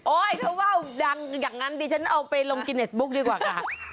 ถ้าว่าวดังอย่างนั้นดิฉันเอาไปลงกินเนสบุ๊กดีกว่าค่ะ